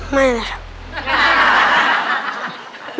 ไม่นะครับ